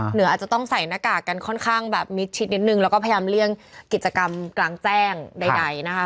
เหนืออาจจะต้องใส่หน้ากากกันค่อนข้างแบบมิดชิดนิดนึงแล้วก็พยายามเลี่ยงกิจกรรมกลางแจ้งใดนะคะ